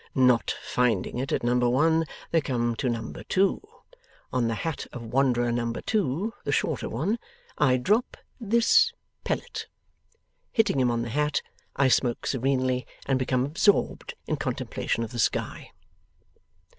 Not finding it at number one, they come to number two. On the hat of wanderer number two, the shorter one, I drop this pellet. Hitting him on the hat, I smoke serenely, and become absorbed in contemplation of the sky.